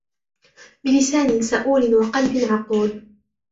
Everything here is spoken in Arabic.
بِلِسَانٍ سَئُولٍ وَقَلْبٍ عُقُولٍ